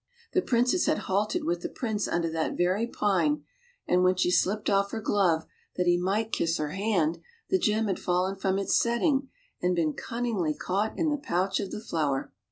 The Princess had halted with the Prince under that very pine, and when she slipped off her glove that he might kiss her hand, the gem had fallen from its setting and been cunningly caught in the pouch of the flower.